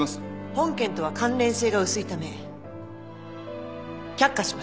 本件とは関連性が薄いため却下します